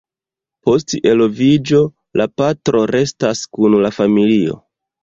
Post eloviĝo, la patro restas kun la familio.